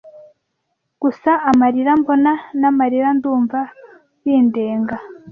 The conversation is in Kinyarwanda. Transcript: gusa amarira mbona n'amarira ndumva bindenga